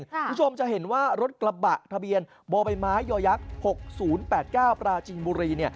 คุณผู้ชมจะเห็นว่ารถกระบะทะเบียนบมย๖๐๘๙ปราจีนบุรี